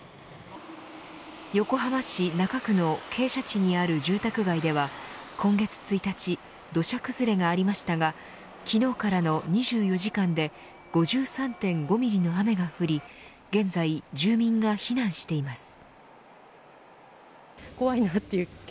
横浜市中区の傾斜地にある住宅街では今月１日土砂崩れがありましたが昨日からの２４時間で５３．５ミリの雨が降り現在、住民が避難しています。